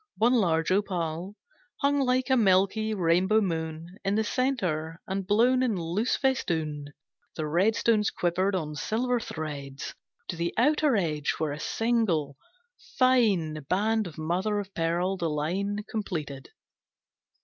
One large opal Hung like a milky, rainbow moon In the centre, and blown in loose festoon The red stones quivered on silver threads To the outer edge, where a single, fine Band of mother of pearl the line Completed.